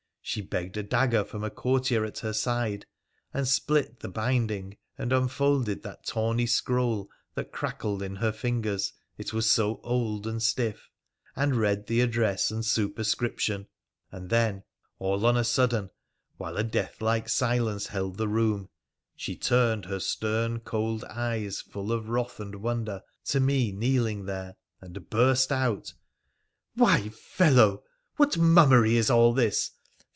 She begged a dagger from a courtier at her side, and split the binding, and unfolded that tawny scroll that crackled in her fingers, it was so old and stiff, and read the address and superscription ; and then, all on a sudden, while a deathlike silence held the room, she turned her stern, cold eyes, full of wrath and wonder, to me kneeling there, and burst out —' Why, fellow ! what mummery is all this